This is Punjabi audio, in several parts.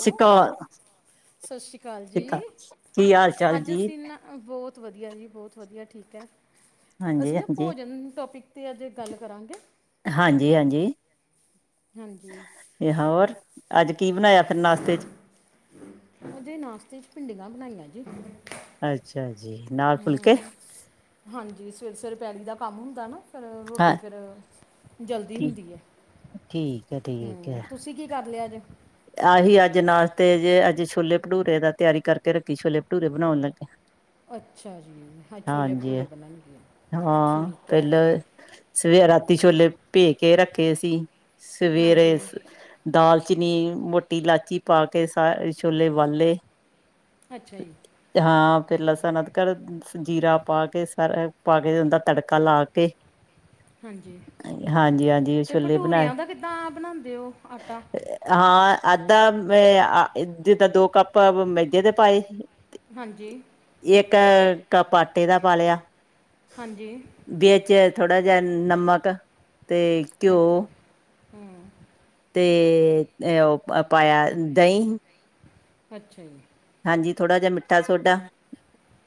ਹੈਲੋ [unintelligible] ਸਤਿ ਸ੍ਰੀ ਅਕਾਲ ਸਿੱਕਾ ਜੀ ਕੀ ਹਾਲ ਚਾਲ ਅੱਜ ਜੀ ਅਸੀਂ ਇੰਨਾ ਬਹੁਤ ਵਧੀਆ ਜੀ ਬਹੁਤ ਵਧੀਆ ਠੀਕ ਐ। ਹਾਂਜੀ ਅਸੀਂ ਨਾ ਹਾਂਜੀ ਭੋਜਨ ਟੋਪਿਕ ਤੇ ਅੱਜ ਗੱਲ ਕਰਾਂਗੇ। ਹਾਂਜੀ-ਹਾਂਜੀ ਹਾਂਜੀ। ਕੀ ਹੋਰ, ਅੱਜ ਕੀ ਬਣਾਇਆ ਫਿਰ ਨਾਸ਼ਤੇ ਚ? ਉਦੇ ਨਾਸ਼ਤੇ ਚ ਭਿੰਡੀਆਂ ਬਣਾਈਆਂ ਜੇ। ਅੱਛਾ ਜੀ, ਨਾਲ ਫੁਲਕੇ? ਹਾਂਜੀ, ਸਵੇਰੇ-ਸਵੇਰੇ ਪੈਲੀ ਦਾ ਕੰਮ ਹੁੰਦਾ ਨਾ ਫਿਰ ਹਾਂ ਰੋਟੀ ਫਿਰ ਜਲਦੀ ਠੀਕ ਹੁੰਦੀ ਐ। ਠੀਕ ਹੈ ਠੀਕ ਹੈ ਹੂੰ, ਤੁਸੀਂ ਕੀ ਕਰ ਲਿਆ ਅੱਜ? ਆਹੀ ਅੱਜ ਨਾਸ਼ਤੇ ਜੇ ਅੱਜ ਛੋਲੇ ਭਟੂਰੇ ਦਾ ਤਿਆਰੀ ਕਰਕੇ ਰੱਖੀ, ਛੋਲੇ ਭਟੂਰੇ ਬਣਾਉਣ ਲੱਗੇ ਆ। ਅੱਛਾ ਜੀ ਅੱਜ ਛੋਲੇ ਭਟੂਰੇ ਬਣਨਗੇ, ਹਾਂ ਠੀਕ ਐ। ਪਹਿਲਾਂ ਸਵੇ ਰਾਤੀ ਛੋਲੇ ਭੇ ਕੇ ਰੱਖੇ ਸੀ ਹਾਂਜੀ ਸਵੇਰੇ ਦਾਲਚੀਨੀ, ਮੋਟੀ ਇਲਾਇਚੀ ਪਾ ਕੇ ਸਾਰੇ ਛੋਲੇ ਉਬਾਲੇ ਅੱਛਾ ਜੀ। ਤੇ ਹਾਂ, ਫਿਰ ਲਸਣ ਅਦਰਕ ਜੀਰਾ ਪਾ ਕੇ ਸਾਰਾ ਪਾ ਕੇ ਓਦਾ ਤੜਕਾ ਲਾ ਕੇ ਹਾਂਜੀ ਹਾਂਜੀ ਹਾਂਜੀ ਤੇ ਛੋਲੇ ਬਣਾਏ ਭਟੂਰਿਆਂ ਦਾ ਕਿੱਦਾਂ ਬਣਾਂਦੇ ਓ ਆਟਾ? ਹਾਂ ਅੱਧਾ ਮ ਅ ਜਿੱਦਾਂ ਦੋ ਕੱਪ ਮੈਦੇ ਦੇ ਪਾਏ ਹਾਂਜੀ। ਇੱਕ ਕੱਪ ਆਟੇ ਦਾ ਪਾ ਲਿਆ। ਹਾਂਜੀ। ਵਿੱਚ ਥੋੜਾ ਜਾ ਨਮਕ ਤੇ ਘਿਓ ਅੱਛਾ ਜੀ ਹੂੰ। ਤੇ ਇ ਪਾਇਆ ਦਹੀਂ। ਅੱਛਾ ਜੀ। ਹਾਂਜੀ ਥੋੜ੍ਹਾ ਜਿਹਾ ਮਿੱਠਾ ਸੋਡਾ।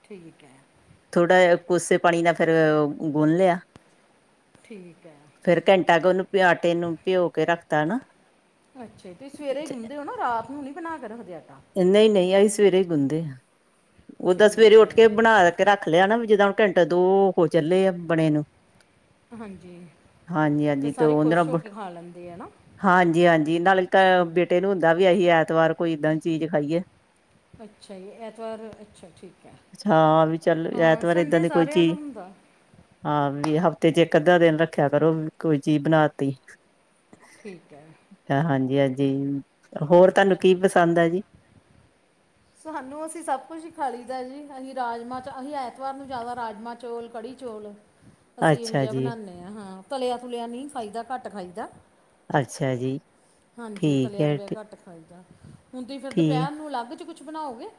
ਠੀਕ ਐ। ਥੋੜ੍ਹਾ ਜਾ ਕੋਸੇ ਪਾਣੀ ਨਾ ਫੇਰ ਗੁੰਨ ਲਿਆ। ਠੀਕ ਹੈ। ਫੇਰ ਘੰਟਾ ਉਹਨੂੰ ਪੇ ਆਟੇ ਨੂੰ ਭਿਓ ਕੇ ਰੱਖਤਾ ਨਾ। ਅੱਛਾ ਤੁਸੀਂ ਸਵੇਰੇ ਗੁੰਨ ਦੇ ਹੋ ਨਾ ਰਾਤ ਨੂੰ ਨਹੀਂ ਬਣਾ ਕੇ ਰੱਖਦੇ ਆਟਾ। ਨਹੀਂ- ਨਹੀਂ ਅਸੀਂ ਸਵੇਰੇ ਗੁੰਦ ਦੇ ਹਾ, ਓਦਾਂ ਸਵੇਰੇ ਠੀਕ ਹੈ ਉੱਠ ਕੇ ਬਣਾ ਕੇ ਰੱਖ ਲਿਆ ਨਾ ਵੀ ਜਿੱਦਾਂ ਹੁਣ ਘੰਟਾ ਦੋ ਹੋ ਚੱਲੇ ਆ ਬਣੇ ਨੂੰ ਹਾਂਜੀ, ਹਾਂਜੀ ਫਿਰ ਹਾਂਜੀ ਤੇ ਸਾਰੇ ਉਹਦੇ ਨਾਲ ਖੁਸ਼ ਹੋ ਬ- ਕੇ ਖਾ ਲੈਂਦੇ ਹੈ ਨਾ ਹਾਂਜੀ- ਹਾਂਜੀ ਨਾਲੇ ਤਾਂ ਬੇਟੇ ਨੂੰ ਹੁੰਦਾ ਵੀ ਅਸੀਂ ਐਤਵਾਰ ਕੋਈ ਏਦਾਂ ਦੀ ਚੀਜ਼ ਖਾਈਏ ਅੱਛਾ ਜੀ ਐਤਵਾਰ ਅੱਛਾ ਠੀਕ ਹੈ, ਹਾਂ ਵੀ ਚੱਲ ਹਾਂ ਐਤਵਾਰ ਏਦਾਂ ਸੰਡੇ ਦੀ ਕੋਈ ਸਾਰਿਆਂ ਨੂੰ ਚੀਜ਼ ਹੁੰਦਾ ਹਾਂ ਵੀ ਹਫ਼ਤੇ ਚ ਇੱਕ ਅੱਧਾ ਦਿਨ ਰੱਖਿਆ ਕਰੋ ਕੋਈ ਚੀਜ਼ ਬਣਾਤੀ ਠੀਕ ਹੈ। ਹਾਂਜੀ- ਹਾਂਜੀ ਹੋਰ ਤੁਹਾਨੂੰ ਅੱਛਾ ਕੀ ਜੀ ਪਸੰਦ ਆ ਜੀ। ਸਾਨੂੰ ਅਸੀਂ ਸਭ ਕੁਝ ਹੀ ਖਾ ਲਈਦਾ ਜੀ ਅਸੀਂ ਰਾਜਮਾਂ ਚ ਅਸੀਂ ਐਤਵਾਰ ਨੂੰ ਜ਼ਿਆਦਾ ਰਾਜਮਾਂ ਚੌਲ, ਕੜੀ ਚੌਲ ਅਸੀਂ ਇਹੋ ਅੱਛਾ ਜਿਹਾ ਜੀ ਬਣਾਉਦੇ ਹਾਂ, ਹਾਂ ਤਲਿਆ ਤੁਲਿਆ ਨਹੀਂ ਖਾਈਦਾ ਘੱਟ ਖਾਈਦਾ। ਅੱਛਾ ਜੀ। ਹਾਂਜੀ ਠੀਕ ਤਲਿਆ ਹੈ ਤੁਲਿਆ ਠੀ- ਘੱਟ ਖਾਈਦਾ ਹੁਣ ਤੁਸੀਂ ਫਿਰ ਠੀਕ ਦੁਪਹਿਰ ਨੂੰ ਅਲੱਗ 'ਚ ਕੁਛ ਬਣਾਓਗੇ।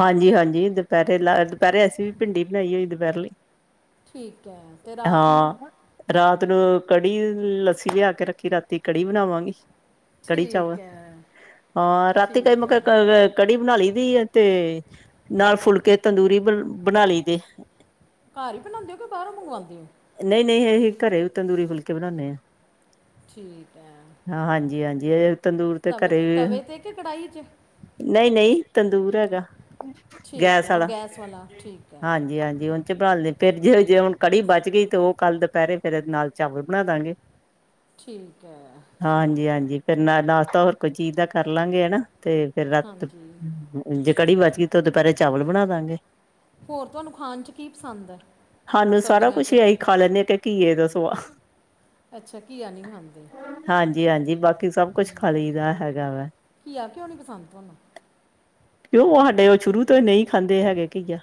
ਹਾਂਜੀ ਹਾਂਜੀ ਦੁਪਹਿਰੇ ਲਾ, ਦੁਪਹਿਰੇ ਅਸੀਂ ਵੀ ਭਿੰਡੀ ਬਣਾਈ ਹੋਈ ਦੁਪਹਿਰੇ ਲਈ। ਠੀਕ ਹੈ ਅਤੇ ਰਾਤ ਨੂੰ ਹਾਂ, ਰਾਤ ਨੂੰ ਕੜੀ ਲੱਸੀ ਲਿਆ ਕੇ ਰੱਖੀ ਰਾਤੀ ਕੜੀ ਬਣਾਵਾਂਗੇ ਕੜੀ ਚਾਵਲ ਠੀਕ ਹੈ ਅ ਰਾਤੀ ਕਈ ਠੀਕ ਮੈਂ ਹੈ ਕਿਹਾ ਕੜੀ ਬਣਾ ਲਈ ਦੀ ਤੇ ਨਾਲ ਫੁਲਕੇ ਤੰਦੂਰੀ ਬ ਬਣਾ ਲਈ ਦੇ ਘਰ ਹੀ ਬਣਾਉਂਦੇ ਹੋ, ਕਿ ਬਾਹਰੋਂ ਮੰਗਵਾਉਂਦੇ ਹੋ। ਨਹੀਂ ਨਹੀਂ ਅਸੀਂ ਘਰੇ ਵੀ ਤੰਦੂਰੀ ਫੁਲਕੇ ਬਣਾਉਂਦੇ ਹਾਂ। ਠੀਕ ਹੈ ਹਾਂ ਹਾਂਜੀ ਹਾਂਜੀ ਇਹ ਤੰਦੂਰ ਦੇ ਤਵੇ ਘਰੇ ਵੀ ਤਵੇ 'ਤੇ ਕਿ ਕੜਾਹੀ 'ਚ ਨਹੀਂ ਨਹੀਂ ਤੰਦੂਰ ਹੈਗਾ ਠੀਕ ਗੈਸ ਹੈ ਉਹ ਵਾਲਾ ਵਾਲਾ ਠੀਕ ਹੈ ਹਾਂਜੀ ਹਾਂਜੀ ਹਾਂਜੀ ਉਹ ਚ ਬਣਾ ਲਦੇ ਫੇਰ ਜੇ ਜੇ ਹੁਣ ਕੜੀ ਬਚ ਗਈ ਤੇ ਉਹ ਕੱਲ ਦੁਪਹਿਰੇ ਫੇਰ ਨਾਲ ਚਾਲ ਬਣਾ ਦਾਂਗੇ ਠੀਕ ਹੈ ਠੀਕ ਹਾਂਜੀ ਹੈ ਹਾਂਜੀ ਫਿਰ ਨਾ ਨਾਸ਼ਤਾ ਹੋਰ ਕੋਈ ਚੀਜ਼ ਦਾ ਕਰ ਲਾਂਗੇ ਹਨਾ ਤੇ ਫੇਰ ਰਾਤ ਹਾਂਜੀ ਜੇ ਕੜੀ ਬਚ ਗਈ ਤਾਂ ਦੁਪਹਿਰੇ ਚਾਵਲ ਬਣਾ ਦਾ ਗੇ। ਹੋਰ ਤੁਹਾਨੂੰ ਖਾਣ ਚ ਕੀ ਪਸੰਦ ਹੈ ਸਾਨੂੰ ਸਬਜ਼ੀਆਂ ਸਾਰਾ ਕੁਛ 'ਚੋਂ ਆਹੀ ਖਾ ਲੈਂਦੇ ਕੇ ਘੀਏ ਤੋਂ ਸਿਵਾ ਅੱਛਾ ਘੀਆ ਨਹੀਂ ਖਾਂਦੇ ਹਾਂਜੀ ਹਾਂਜੀ ਬਾਕੀ ਸਭ ਹੂੰ ਕੁਛ ਖਾ ਲਈ ਦਾ ਹੈਗਾ ਵਾ। ਘੀਆ ਕਿਉਂ ਨੀ ਪਸੰਦ ਤੁਹਾਨੂੰ ਕਿਉਂ ਸਾਡੇ ਉਹ ਸ਼ੁਰੂ ਤੋਂ ਹੀ ਨਹੀਂ ਖਾਂਦੇ ਹੈਗੇ ਘੀਆ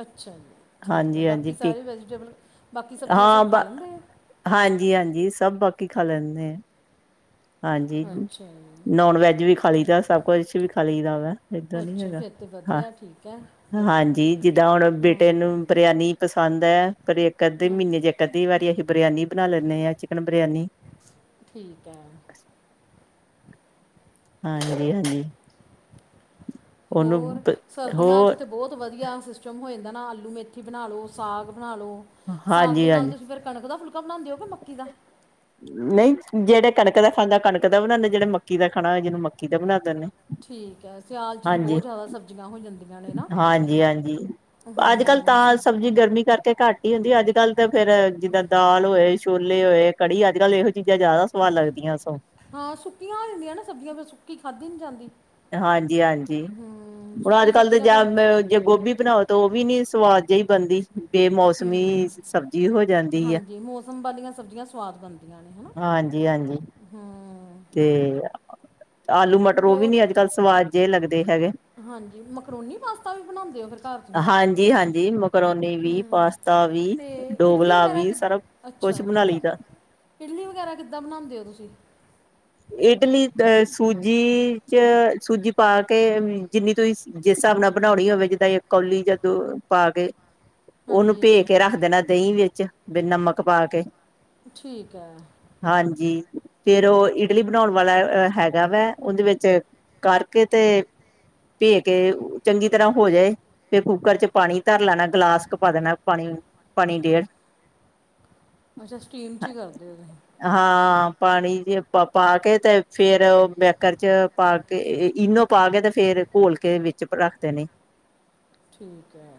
ਅੱਛਾ ਜੀ ਠੀਕ ਹੈ ਬਾਕੀ ਹਾਂਜੀ-ਹਾਂਜੀ ਪੀ ਸਾਰੇ ਵੈਜੀਟੇਬਲ ਬਾਕੀ ਸਬਜ਼ੀਆਂ ਸਭ ਖਾ ਲੈਂਦੇ ਆ। ਹਾਂਜੀ ਹਾਂਜੀ ਸਭ ਬਾਕੀ ਖਾ ਲੈਂਦੇ ਆ। ਹਾਂਜੀ ਅੱਛਾ ਜੀ ਨੋਨ ਵੈਜ ਵੀ ਖਾ ਲਈ ਦਾ ਸਭ ਕੁਛ ਵੀ ਖਾ ਲਈ ਦਾ ਵਾ ਦ ਨੀ ਅੱਛਾ ਹੈਗਾ ਫਿਰ ਤਾਂ ਹਾਂ ਵਧੀਆ ਠੀਕ ਹੈ ਫਿਰ ਹਾਂਜੀ ਜਿੱਦਾਂ ਹੁਣ ਬੇਟੇ ਨੂੰ ਹਾਂ ਬਰਿਆਨੀ ਪਸੰਦ ਹੈ ਪਰ ਇੱਕ ਅੱਧੇ ਮਹੀਨੇ ਹਾਂਜੀ ਚੇ ਇੱਕ ਅੱਧੀ ਵਾਰੀ ਅਸੀਂ ਬਰਿਆਨੀ ਬਣਾ ਲੈਂਦੇ ਹਾਂ ਚਿਕਨ ਬਰਿਆਨੀ। ਠੀਕ ਹੈ। [inaudible] ਹਾਂਜੀ ਹਾਂਜੀ। ਹੋਰ ਬ- ਸਰਦੀਆਂ 'ਚ ਹੋਰ ਤਾਂ ਬਹੁਤ ਵਧੀਆ ਸਿਸ ਹੋ ਜਾਂਦਾ ਨਾ ਆਲੂ ਮੇਥੀ ਬਣਾ ਲਓ ਸਾਗ ਬਣਾ ਲਓ ਸਾਗ ਦੇ ਨਾਲ ਹਾਂਜੀ-ਹਾਂਜੀ। ਤੁਸੀਂ ਫਿਰ ਕਣਕ ਦਾ ਫੁਲਕਾ ਬਣਾਉਂਦੇ ਹੋ ਕਿ ਮੱਕੀ ਦਾ ਨਹੀਂ ਜਿਹੜੇ ਕਣਕ ਦਾ ਖਾਂਦਾ ਕਣਕ ਦਾ ਬਣਾਉਂਦੇ ਜਿਹੜੇ ਮੱਕੀ ਦਾ ਖਾਣਾ ਜਿਹਨੂੰ ਮੱਕੀ ਦਾ ਬਣਾ ਦਿੰਦੇ ਨੇ। ਠੀਕ ਹੈ ਸਿਆਲ 'ਚ ਤਾਂ ਬਹੁਤ ਜ਼ਿਆਦਾ ਸਬਜ਼ੀਆਂ ਹੋ ਜਾਂਦੀਆਂ ਨੇ ਨਾ ਅੱਜ ਕੱਲ ਹਾਂ ਤਾਂ ਸ- ਸਬਜ਼ੀ ਗਰਮੀ ਕਰਕੇ ਘੱਟ ਕੀ ਹੁੰਦੀ ਅੱਜ ਕੱਲ ਤਾਂ ਫੇਰ ਜਿੱਦਾਂ ਦਾਲ ਹੋਏ ਛੋਲੇ ਹੋਏ ਕੜੀ ਅੱਜ ਕੱਲ ਇਹੋ ਜਿ ਚੀਜ਼ਾਂ ਜ਼ਿਆਦਾ ਸਵਾਦ ਲੱਗਦੀਆਂ ਸ ਹਾਂ ਸੁੱਕੀਆਂ ਹੋ ਜਾਂਦੀਆਂ ਨਾ ਸਬਜ਼ੀਆਂ ਫਿਰ ਸੁੱਕੀ ਖਾਧੀ ਨੀ ਜਾਂਦੀ ਹਾਂਜੀ ਹਾਂਜੀ ਹੂੰ ਹੁਣ ਅੱਜ ਸੁੱਕੀ ਕੱਲ ਸਬਜ਼ੀ ਤੇ ਨਾਲ ਜ ਫਿਰ ਜੇ ਗੋਭੀ ਬਣਾਓ ਤਾਂ ਉਹ ਵੀ ਨੀ ਸਵਾਦ ਜਿਹੀ ਬਣਦੀ ਵੇ ਮੌਸਮੀ ਸਬਜ਼ੀ ਹੋ ਜਾਂਦੀ ਹੈ। ਹਾਂਜੀ ਮੌਸਮ ਵਾਲੀਆਂ ਸਬਜ਼ੀਆਂ ਹਾਂਜੀ -ਹਾਂਜੀ ਹਮ ਤੇ ਆਲੂ ਮਟਰ ਉਹ ਵੀ ਹੋਰ ਨੀ ਅੱਜ ਕੱਲ ਸਵਾਦ ਜਿਹੇ ਲੱਗਦੇ ਹੈਗੇ ਹਾਂਜੀ ਮਕਰੂਨੀ ਪਾਸਤਾ ਵੀ ਬਣਾਉਂਦੇ ਹੋ ਫਿਰ ਘਰ ਤੁਸੀਂ ਹਾਂਜੀ ਹਾਂਜੀ ਮਕਰੋਨੀ ਹ ਵੀ ਪਾਸਤਾ ਵੀ ਅਤੇ ਇਡਲੀ ਡੋਗਲਾ ਵਗੈਰਾ ਵੀ ਕਿ ਸਾਰਾ ਕੁਛ ਅੱਛਾ ਬਣਾ ਠੀਕ ਲਈ ਹੈ ਦਾ ਇਡਲੀ ਵਗੈਰਾ ਕਿੱਦਾਂ ਬਣਾਉਂਦੇ ਹੋ ਤੁਸੀਂ ਇਡਲੀ ਅ ਸੂਜੀ ਚ ਸੂਜੀ ਪਾ ਕੇ ਜਿੰਨੀ ਤੁਸੀਂ ਜਿਸ ਹਿਸਾਬ ਨਾਲ ਬਣਾਉਣੀ ਹੋਵੇ ਜਿੱਦਾਂ ਇਕ ਕੌਲੀ ਜਾਂ ਦੋਪਾ ਕੇ ਉਹਨੂੰ ਹਾਂਜੀ ਭੇ ਕੇ ਰੱਖ ਦੇਣਾ ਦਹੀਂ ਵਿੱਚ ਵੀ ਨਮਕ ਪਾ ਕੇ ਠੀਕ ਹੈ ਹਾਂਜੀ ਫੇਰ ਉਹ ਇਡਲੀ ਬਣਾਉਣ ਵਾਲਾ ਹੈਗਾ ਵਾ ਉਹਦੇ ਵਿੱਚ ਕਰਕੇ ਤੇ ਭੇ ਕੇ ਚੰਗੀ ਤਰ੍ਹਾਂ ਹੋ ਜਾਏ ਫਿਰ ਕੁੂੱਕਰ'ਚ ਪਾਣੀ ਧਰ ਲੈਣਾ, ਗਲਾਸ ਕ ਪਾ ਦੇਣਾ, ਪਾਣੀ ਪਾਣੀ ਡੇਢ ਅੱਛਾ, ਸਟੀਮ'ਚ ਹੀ ਕਰਦੇ ਹੋ, ਤੁਹੀ? ਹਾਂ ਪਾਣੀ'ਚ ਪ, ਪਾਕੇ ਤੇ ਫਿਰ ਬੈਕਰ'ਚ ਪਾਕੇ ਇਨੋ ਪਾਕੇ ਤੇ, ਫਿਰ ਘੋਲਕੇ ਵਿੱਚ ਰੱਖਦੇਨੇ। ਠੀਕ ਹੈ।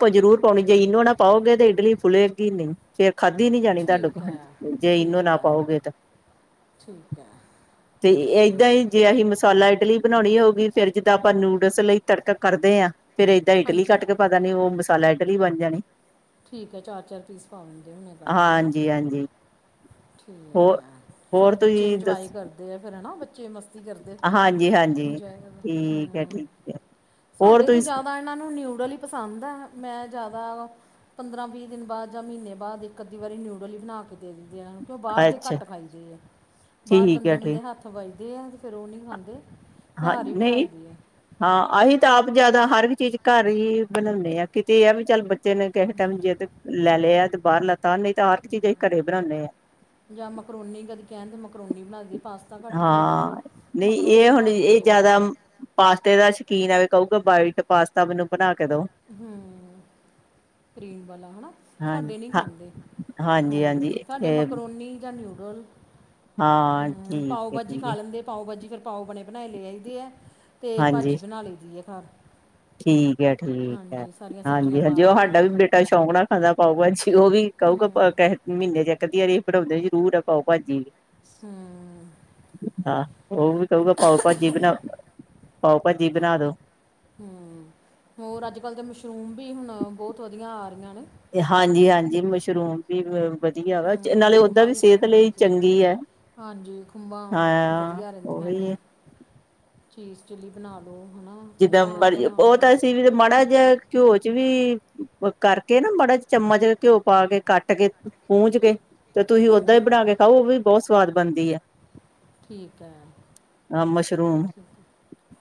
ਪ ਜ਼ਰੂਰ ਪਾਉਣੀ ਚਾਹੀ--ਜੇ ਇਨੋ ਨਾਂ ਪਾਓਗੇ ਤੇ ਇਡਲੀ ਫੁਲੇਗੀ ਨਹੀਂ। ਫੇਰ ਖਾਧੀ ਨੀ ਜਾਣੀ ਤੁਹਾਡੇ ਕੋ, ਠੀਕ ਹੈ ਜੇ ਈਨੋ ਠੀਕ ਨਾ ਹੈ ਪਾਓਗੇ ਤੇ। ਠੀਕ ਐ। ਤੇ, ਏਦਾਂ ਹੀ ਜੇ ਅਹੀ ਮਸਾਲਾ ਇਡਲੀ ਬਣਾਉਣੀ ਹੋਊਗੀ, ਫਿਰ ਜਿੱਦਾਂ ਆਪਾਂ ਨੂਡਲਸ ਲਈ ਤੜਕ ਕਰਦੇ ਹਾਂ ਫਿਰ ਏਦਾਂ ਇਡਲੀ ਹਾਂਜੀ ਕੱਟਕੇ ਪਾ ਦੇਣੀ, ਉਹ ਮਸਾਲਾ ਇਡਲੀ ਬਣ ਜਾਣੀ। ਠੀਕ ਐ, ਚਾਰ-ਚਾਰ ਪੀਸ ਪਾ ਦਿੰਦੇ ਹੋਣੇ ਕੱਟਕੇ ਹਣਾ? ਹਾਂਜੀ ਹਾਂਜੀ ਠੀਕ ਹੋਰ ਐ। ਹੋਰ ਚਲੋ ਬੱਚੇ ਤੁਸੀਂ ਇੰਜਵਾਏ ਦੱਸ ਕਰਦੇ ਆ ਫਿਰ ਹਨਾ, ਬੱਚੇ ਮਸ ਮਸਤੀ ਕਰਦੇ ਹੁੰਦੇ, ਹਾਂਜੀ ਹਾਂਜੀ ਇੰਜੌਏ ਕਰਦੇ, ਠੀਕ ਹੈ ਹੂੰ, ਠੀਕ ਹੈ ਹੋਰ ਸਾਡੇ ਤੇ ਤੁਸੀਂ ਜ਼ਿਆਦਾ ਇਹਨਾਂ ਨੂੰ ਨਿਊਡਲ ਹੀ ਪਸੰਦ ਹੈ, ''ਮੈਂ ਜ਼ਿਆਦਾ ਪੰਦਰਾਂ-ਵੀਹ ਦਿਨ ਬਾਅਦ, ਜਾਂ ਮਹੀਨੇ ਬਾਅਦ, ਇੱਕ-ਅੱਧੀ ਵਾਰ ਨਿਊਡਲ ਵੀ ਬਣਾਕੇ ਦੇ ਦਿੰ ਆ, ਕਿਉਂ ਬਾਹਰ ਦੇ ਅੱਛਾ ਘੱਟ ਖਾਈਦੇ ਆ, ਬਾਹਰ ਠੀਕ ਹੈ ਠੀਕ ਗੰਦੇ-ਮੰਦੇ ਹੱਥ ਵਜਦੇ ਐ, ਫਿਰ ਉਹ ਨਹੀਂ ਖਾਂਦੇ। ਹਾਂ, ਘਰ ਹੀ ਨਹੀਂ। ਬਣਾਈ ਦੀ ਆ ਹਾਂ, ਅਹੀ ਤਾਂ ਆਪ ਜਿਆਦਾ, ਹਰ ਇੱਕ ਚੀਜ਼ ਘਰ ਹੀ ਬਣਾਂਨੇ ਹਾਂ, ਕਿਤੇ ਆ ਵੀ, ਚੱਲ ਦੇਨੇ, ਕਿਹੇ ਟੈਮ ਜਿੱਦ ਲੈ ਲਿਆ, ਆ ਬਾਹਰਲਾ ਤਾ, ਨਹੀਂ ਤਾਂ ਹਰ ਇੱਕ ਚੀਜ਼ ਅਸੀਂ ਘਰੇ ਬਣਾਂਨੇ ਆਂ। ਜਾਂ ਮਕਰੋਨੀ ਕਦੇ ਕਹਿਣ ਤੇ, ਮਕਰੋਨੀ ਬਣਾ ਦਈ ਦੀ, ਪਾਸਤਾ ਘੱਟ ਖਾਈਦਾ, ਹਾਂ ਨਹੀਂ ਮਕਰੋਨੀ ਇਹ ਹੁਣ ਬਣਾ ਦ ਇਹ ਜਿਆਦਾ ਪਾਸਤੇ ਦਾ ਸ਼ਕੀਨ ਆ, ਵੀ ਕਹੂਗਾ ਵਾਈਟ ਪਾਸਤਾ ਮੈਨੂੰ ਬਣਾਕੇ ਦੋ। ਹੂੰ, ਕ੍ਰੀਮ ਵਾਲਾ ਹਣਾ। ਹਾਂ ਸਾਡੇ ਨਹੀਂ ਹਾਂ ਖਾਂਦੇ। ਹਾਂਜੀ ਹਾਂਜੀ ਹੂੰ, ਸਾਡੇ ਮਕਰੋਨੀ ਜਾਂ ਨਿਊਡਲ ਹਾਂ ਹੂੰ, ਠੀਕ ਹੈ ਪਾਓ-ਭਾਜੀ ਠੀਕ ਖਾ ਹੈ ਲੈਂਦੇ ਪਾਓ-ਭਾਜੀ, ਫਿਰ ਪਾਓ ਬਣੇ-ਬਣਾਏ ਲੇ ਆਈਦੈ, ਅਤੇ ਹਾਂਜੀ ਭਾਜੀ ਬਣਾ ਲਈਦੀ ਆ ਘਰ। ਠੀਕ ਐ, ਠੀਕ ਐ। ਹਾਂਜੀ ਸਾਰੀਆਂ ਸਬਜ਼ੀਆਂ ਹਾਂਜੀ-ਹਾਂਜੀ, ਪਾ ਉਹ ਕੇ ਹਾਡਾ ਵੀ ਬੇਟਾ ਸ਼ੌਂਕ ਨਾਲ ਖਾਂਦਾ ਪਾੳ-ਭਾਜੀ। ਉਹ ਵੀ ਹਮ ਕਹੁਗਾ ਕਹਿ ਮਹੀਨੇ'ਚ ਇਕ-ਅੱਧੀ ਵਾਰੀ ਬਣਾਉਂਦੇ ਜ਼ਰੂਰ ਆਂ, ਪਾਓ ਭਾਜੀ। ਹਮ ਹਾਂ, ਉਹ ਵੀ ਕਹੁਗਾ, ਪਾਉ-ਭਾਜੀ ਬਨਾਉ, ਪਾਓ ਭ ਜੀ ਬਣਾਦੋ‌। ਹੂੰ, ਹੋਰ ਅੱਜ-ਕੱਲ ਤੇ ਮਸ਼ਰੂਮ ਵੀ ਹੁਣ, ਬਹੁਤ ਵਧੀਆ ਆ ਰਹੀਆਂ ਨੇ। ਹਾਂਜੀ-ਹਾਂਜੀ, ਮਸ਼ਰੂਮ ਵੀ ਵਧੀਆ ਵਾ, ਹਮ ਨਾਲੇ ਓਹਦਾਂ ਖੁੰਬਾਂ ਵੀ ਦੀ ਸਿਹਤ ਸ- ਲਈ ਹਾਂਜੀ ਚੰਗੀ ਹੈ। ਹਾਂਜੀ, ਖੁੰਬਾਂ ਹਾਂ ਵਧੀਆ ਰਹਿੰਦੀਆਂ ਨੇ। ਉਹੀ ਚੀਜ਼-ਚਿੱਲੀ ਬਣਾਲੋ ਹਨਾ ਜਿੱਦਾਂ ਖੁੰਬਾਂ ਮਰ ਬਣਾ ਉਹ ਲਓ ਤਾ ਅਸੀਂ ਵੀ ਮਾੜਾ ਜਾ ਘਿਓ'ਚ ਵੀ ਕਰਕੇ ਨਾ, ਬੜਾ ਚਮਚ ਘਿਓ ਪਾਕੇ ਕੱਟਕੇ, ਪੂੰਜਕੇ, ਤੇ ਤੁਹੀ ਓਦਾਂ ਹੀ ਹਾਂਜੀ ਬਣਾਕੇ ਖਾਓ, ਉਹ ਵੀ ਬਹੁਤ ਸਵਾਦ ਬਣਦੀ ਐ। ਠੀਕ ਐ, ਮਸ਼ਰੂਮ ਠੀਕ,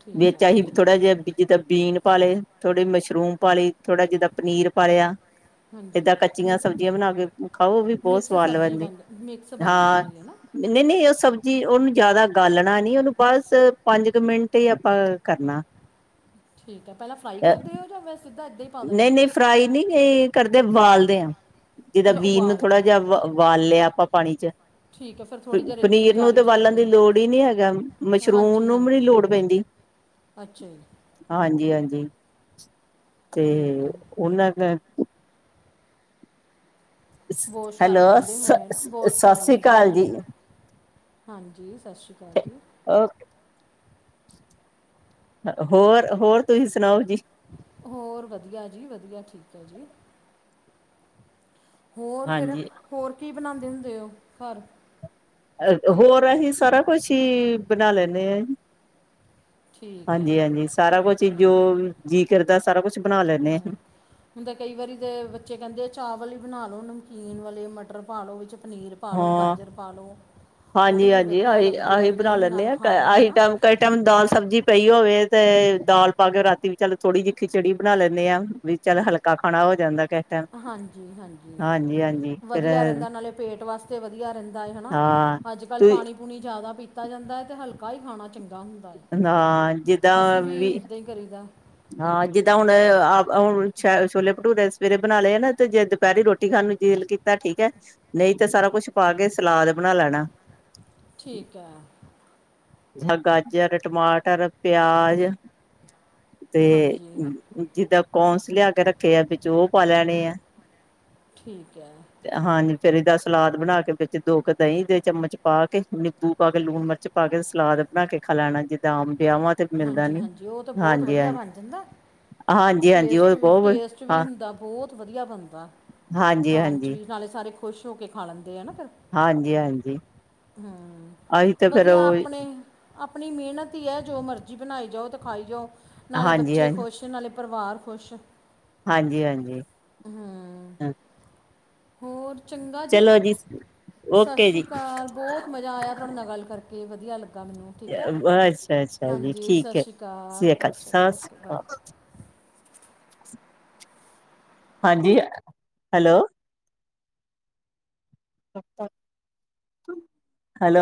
ਠੀਕ ਵਿੱਚ ਐ, ਅਸੀਂ ਠੀਕ ਥੋੜਾ ਐ। ਜਿਹਾ ਜਿੱਦਾਂ ਬੀਨ ਪਾ ਲਏ, ਥੋੜੇ ਮਸ਼ਰੂਮ ਪਾਲੇ, ਥੋੜਾ ਜਿੱਦਾਂ ਪਨੀਰ ਪਾ ਲਿਆ ਇਹਦਾਂ ਕੱਚੀਆਂ ਹਾਂਜੀ ਸਬਜ਼ੀਆਂ ਬਣਾਕੇ ਖਾਓ, ਓਹ ਵੀ ਬਹੁਤ ਮਿਕਸ ਸਵਾਦ ਸਬਜ਼ੀ ਲਵੰਦੀ, ਬਣ ਮਿਕਸ ਬਣ ਹਾ। ਜਾਂਦੀ ਹੈ ਨਾ ਨਹੀਂ-ਨਹੀਂ, ਉਹ ਸਬਜ਼ੀ, ਉਹਨੂੰ ਜਿਆਦਾ ਗਾਲਣਾ ਨੀ, ਉਹਨੂੰ ਬਸ, ਪੰਜ ਕੁ ਮਿੰਟ ਹੀ ਆਪਾਂ ਕਰਨਾ। ਠੀਕ ਐ, ਪਹਿਲਾ ਫ੍ਰਾਈ ਕਰਦੇ ਹੋ, ਜਾ ਵੈਸ ਸਿੱਧਾ ਇੱਦਾਂ ਹੀ ਪਾ ਦਿੰਦੇ ਹੋ ਨਹੀਂ-ਨਹੀਂ, ਫ੍ਰਾਈ ਨਹੀਂ ਕਰਦੇ ਵਾਲਦੇ ਆਂ, ਜਿਦਾਂ ਅੱਛਾ ਬੀ ਨੂੰ ਉਬਾਲ ਥੋੜ੍ਹਾ ਕੇ ਜਿਹਾ ਵਾਲ ਲਿਆ ਆਪਾ ਪਾਣੀ'ਚ। ਠੀਕ ਹੈ ਫਿਰ ਥੋੜੀ ਦੇਰ ਇਦਾਂ ਹੀ ਪਨੀਰ ਨੂੰ ਜਾਲੀ ਤੇ 'ਚ ਰੱਖ ਬਾਲਣ ਦੀ ਲੋੜ ਦਿੰਦੇ ਹੀ ਨਹੀਂ ਹੈਗਾ, ਮਸ਼ਰੂਮ ਹਾਂਜੀ ਨੂੰ ਵੀ ਨੀ ਹਾਂਜੀ ਲੋੜ ਪੈਂਦੀ। ਅੱਛਾ ਜੀ। ਹਾਂਜੀ-ਹਾਂਜੀ। ਤੇ ਠੀਕ ਹੈ ਉਹਨਾਂ ਕ ਵੋਸ਼ ਕਰ ਹੈਲੋ ਲੈਂਦੇ ਹੋਣੇ ਨਾ ਸਤਿ ਵੋਸ਼ ਕਰ ਸ੍ਰੀ ਲੈਂਦੇ ਅਕਾਲ ਹੋਣੇ ਜੀ ਹਾਂਜੀ ਸਤਿ ਸ਼੍ਰੀ ਅਕਾਲ ਜੀ ਅ ਹੋਰ ਹੋਰ ਤੁਸੀਂ ਸੁਣਾਓ ਜੀ ਹੋਰ ਵਧੀਆ ਜੀ ਵਧੀਆ ਠੀਕ ਹੈ ਜੀ ਹੋਰ ਫਿਰ ਹਾਂਜੀ ਹੋਰ ਕੀ ਬਣਾਉਂਦੇ ਹੁੰਦੇ ਹੋ ਘਰ ਹੋਰ ਅਸੀਂ ਸਾਰਾ ਕੁਛ ਹੀ ਬਣਾ ਲੈਂਦੇ ਹਾਂ ਠੀਕ ਹਾਂਜੀ ਹੈ ਹਾਂਜੀ ਸਾਰਾ ਕੁਛ ਠੀਕ ਹੀ ਹੈ ਜੋ ਜੀਕਰਦਾ ਸਾਰਾ ਕੁਛ ਬਣਾ ਲੈਂਦੇ ਹਸੀ ਹੁੰਦਾ ਕਈ ਵਾਰੀ ਤਾਂ ਬੱਚੇ ਕਹਿੰਦੇ ਆ ਚਾਵਲ ਹੀ ਬਣਾ ਲਉ ਨਮਕੀਨ ਵਾਲੇ ਮਟਰ ਪਾ ਲਓ ਵਿੱਚ ਪਨੀਰ ਪਾ ਹਾਂ ਲਉ ਹਾਂ ਗਾਜਰ ਪਾ ਲਉ ਉਹ ਵੀ ਹਾਂਜੀ-ਹਾਂਜੀ ਵਧੀਆ ਆਹੀ, ਲੱਗਦੇ ਹੈ ਆਹੀ ਬਣਾ ਦਹੀਂ ਲੈਂਦੇ ਨਾਲ ਆ ਖਾ ਲਉ ਹੈ ਆਹੀ ਨਾ ਟਾਈਮ ਕਈ ਟਾਈਮ ਦਾਲ ਸਬਜ਼ੀ ਪਈ ਹੋਵੇ ਤੇ ਦਾਲ ਪਾ ਕੇ ਰਾਤੀ ਵੀ ਚੱਲ ਥੋੜ੍ਹੀ ਜਿਹੀ ਖਿਚੜੀ ਬਣਾ ਲੈਂਦੇ ਆਾਂ ਵੀ ਚੱਲ ਹਲਕਾ ਖਾਣਾ ਹੋ ਜਾਂਦਾ ਕ ਹਾਂਜੀ ਹਾਂਜੀ ਫਿਰ ਵਧੀਆ ਰਹਿੰਦਾ ਨਾਲੇ ਪੇਟ ਵਾਸਤੇ ਤੇ ਵਧੀਆ ਰਹਿੰਦਾ ਹੈਏ ਹੈਾ ਹਾਂ ਅੱਜ ਕੱਲ੍ਹ ਤੁ ਪਾਣੀ ਪੂਣੀ ਜ਼ਿਆਦਾ ਪੀਤਾ ਜਾਂਦਾ ਹੈ ਅਤੇ ਹਲਕਾ ਹੀ ਖਾਣਾ ਚੰਗਾ ਇੱਦਾਂ ਹੁੰਦਾ ਹਾਂ ਹੈ ਜਿੱਦਾਂ ਅਸੀਂ ਵੀ ਇੱਦਾਂ ਹੀ ਕਰੀਦਾ ਹਾਂ ਜਿੱਦਾਂ ਹੁਣ ਹੁਣ ਛੋਲੇ ਭਟੂਰੇ ਸਵੇਰੇ ਬਣਾ ਲਏ ਆ ਨਾ ਤੇ ਜੇ ਦੁਪਹਿਰੀ ਰੋਟੀ ਖਣ ਨੂੰ ਜ ਤਾਂ ਠੀਕ ਹੈ ਨਹੀਂ ਤਾਂ ਸਾਰਾ ਕੁਛ ਪਾ ਕੇ ਸਲਾਦ ਬਣਾ ਲੈਣਾ ਠੀਕ ਹੈ ਜ ਗਾਜਰ ਟਮਾਟਰ ਪਿਆਜ ਤੇ ਹਾਂਜੀ ਜਿੱਦਾਂ ਕੌਨਸ ਲਿਆ ਕੇ ਰੱਖੇ ਆ ਵਿੱਚ ਉਹ ਪਾ ਲੈਣੇ ਆ ਠੀਕ ਹੈ ਹਾਂਜੀ ਫੇਿਰ ਇਹਦਾ ਸਲਾਦ ਬਣਾ ਕੇ ਵਿੱਚ ਦੋ ਕੁ ਦਹੀਂ ਦੇ ਚਮਚ ਪਾ ਕੇ ਨਿੰਬੂ ਪਾ ਕੇ ਲੂਣ ਮਿਰਚ ਪਾ ਕੇ ਸਲਾਦ ਬਣਾ ਕੇ ਖਾ ਲੈਣਾ ਜਿੱਦਾਂ ਆਮ ਵਿਆਹਵਾਂ ਹਾਂਜੀ ਹਾਂਜੀ ਉਹ ਤਾਂ ਬਹੁਤ ਵਧੀਆ ਬਣ ਜਾਂਦਾ ਹਾਂਜੀ ਹਾਂਜੀ ਟੇਸਟ ਉਹ ਬਹੁਤ ਵ ਟੇਸਟ ਵੀ ਹਾਂ ਹੁੰਦਾ ਬਹੁਤ ਵਧੀਆ ਬਣਦਾ ਹਾਂਜੀ ਖਾਣ ' ਹਾਂਜੀ ਵੀ ਨਾਲੇ ਸਾਰੇ ਖੁਸ਼ ਹੋ ਕੇ ਖਾ ਲੈਂਦੇ ਹੈ ਨਾ ਫਿਰ ਹਾਂਜੀ ਹਾਂਜੀ ਹਮ ਅਸੀਂ ਤੇ ਫੇਰ ਵਧੀਆ ਉਹ ਆਪਣੇ ਆਪਣੀ ਮਿਹਨਤ ਹੀ ਹੈ ਜੋ ਮਰਜ਼ੀ ਬਣਾਈ ਜਾਓ ਅਤੇ ਖਾਈ ਜਾਓ ਨਾਲੇ ਹਾਂਜੀ ਬੱਚੇ ਹਾਂਜੀ ਖੁਸ਼ ਨਾਲੇ ਪਰਿਵਾਰ ਖੁਸ਼ ਹਾਂਜੀ ਹਾਂਜੀ ਹਮ ਹਾਂ ਹੋਰ ਚੰਗਾ ਜੀ ਸਤਿ ਓਕੇ ਸ਼੍ਰੀ ਜੀ ਅਕਾਲ ਬਹੁਤ ਮਜ਼ਾ ਆਇਆ ਤੁਹਾਡੇ ਨਾਲ ਗੱਲ ਕਰ ਕੇ ਵਧੀਆ ਲੱਗਾ ਮੈਨੂੰ ਠੀਕ ਹੈ ਅੱਛਾ ਅੱਛਾ ਜੀ ਹਾਂਜੀ ਸਤਿ ਠੀਕ ਹੈ ਸ਼੍ਰੀ ਅਕਾਲ ਸ ਕ ਸ ਅੱਛਾ ਜੀ ਸ਼੍ਰੀ ਓਕੇ ਬਾਏ ਅਕਾਲ ਹਾਂਜੀ ਹੈਲੋ [unintelligible] ਕੱਟ ਤਾਂ